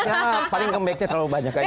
ya paling kembeknya terlalu banyak aja